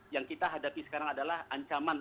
yang kita hadapi sekarang adalah ancaman